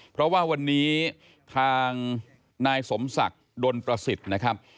เพราะว่าวันนี้ทางนายสมศักดิ์ดนประสิทธิ์นะครับ